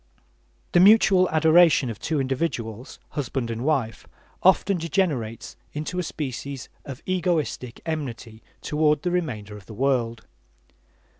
The mutual adoration of two individuals, husband and wife, often degenerates into a species of egoistic enmity toward the remainder of the world.